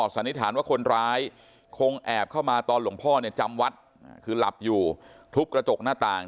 สันนิษฐานว่าคนร้ายคงแอบเข้ามาตอนหลวงพ่อเนี่ยจำวัดคือหลับอยู่ทุบกระจกหน้าต่าง